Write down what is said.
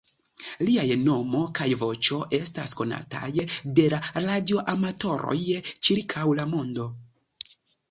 Liaj nomo kaj voĉo estas konataj de la radioamatoroj ĉirkaŭ la mondo.